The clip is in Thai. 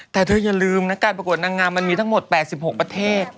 แต่เธออย่าลืมนะการประกวดนางงามมันมีทั้งหมด๘๖ประเทศ